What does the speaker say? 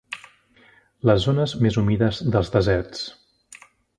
Les zones més humides dels deserts.